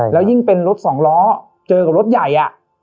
แล้วยิ่งเป็นรถสองล้อเจอกับรถใหญ่